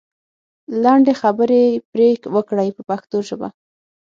لنډې خبرې پرې وکړئ په پښتو ژبه.